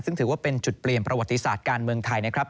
ซึ่งถือว่าเป็นจุดเปลี่ยนประวัติศาสตร์การเมืองไทยนะครับ